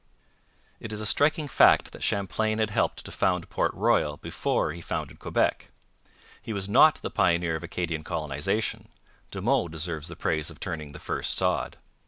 It is a striking fact that Champlain had helped to found Port Royal before he founded Quebec. He was not the pioneer of Acadian colonization: De Monts deserves the praise of turning the first sod.